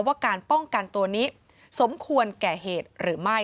ว่าการป้องกันตัวนี้สมควรแก่เหตุหรือไม่